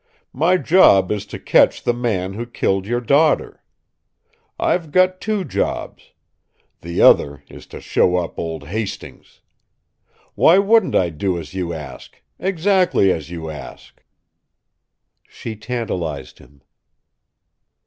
"My job is to catch the man who killed your daughter. I've got two jobs. The other is to show up old Hastings! Why wouldn't I do as you ask exactly as you ask?" She tantalized him.